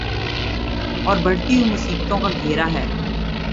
اوربڑھتی ہوئی مصیبتوں کا گھیرا ہے۔